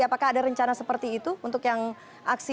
apakah ada rencana seperti itu untuk yang aksi